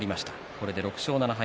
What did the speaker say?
これで６勝７敗。